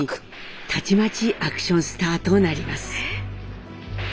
たちまちアクションスターとなります。